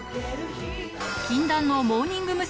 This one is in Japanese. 禁断のモーニング娘。